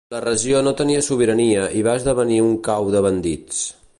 La regió no tenia sobirania i va esdevenir un cau de bandits.